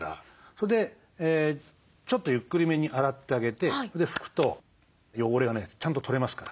それでちょっとゆっくりめに洗ってあげて拭くと汚れがねちゃんと取れますから。